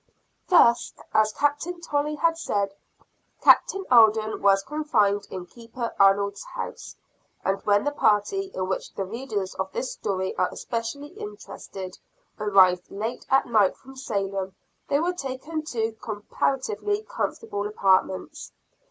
Thus, as Captain Tolley had said, Captain Alden was confined in Keeper Arnold's house; and, when the party in which the readers of this story are especially interested, arrived late at night from Salem, they were taken to comparatively comfortable apartments.